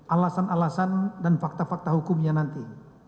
alasan alasan dan fakta fakta hukumnya nanti